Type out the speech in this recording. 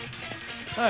はい。